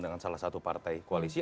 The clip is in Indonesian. dengan salah satu partai koalisi